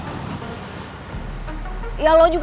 ya lo juga harus ngerti kalo keadaannya sekarang udah beda